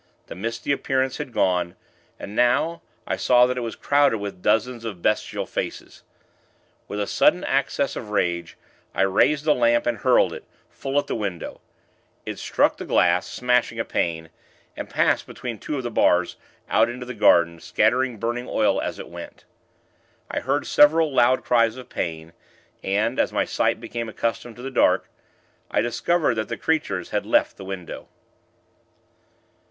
The misty appearance had gone, and, now, I saw that it was crowded with dozens of bestial faces. With a sudden access of rage, I raised the lamp, and hurled it, full at the window. It struck the glass (smashing a pane), and passed between two of the bars, out into the garden, scattering burning oil as it went. I heard several loud cries of pain, and, as my sight became accustomed to the dark, I discovered that the creatures had left the window.